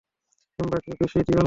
সিম্বাকে বেশি দিও না।